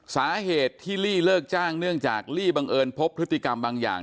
สาเหตุที่ลี่เลิกจ้างเนื่องจากลี่บังเอิญพบพฤติกรรมบางอย่าง